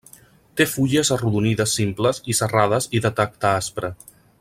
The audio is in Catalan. Té fulles arrodonides simples i serrades i de tacte aspre.